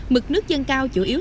mực nước dân cao chủ yếu